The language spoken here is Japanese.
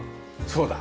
そうだ。